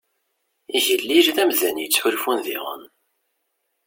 Igellil d amdan yettḥulfun diɣen.